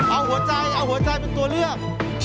เอาหัวใจเอาหัวใจเป็นตัวเลือก